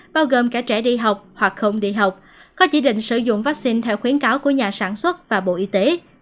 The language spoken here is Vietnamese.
bao gồm cả trẻ đi học hoặc không đi học có chỉ định sử dụng vaccine theo khuyến cáo của nhà sản xuất và bộ y tế